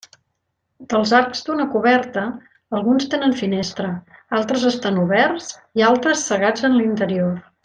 Dels arcs d'una coberta alguns tenen finestra, altres estan oberts i altres cegats en l'interior.